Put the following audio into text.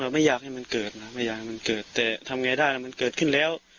ไม่อยากให้มันเกิดนะไม่อยากให้มันเกิดแต่ทำไงได้มันเกิดขึ้นแล้ว